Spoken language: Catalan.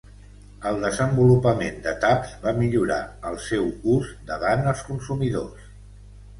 El desenvolupament de taps va millorar el seu ús davant els consumidors.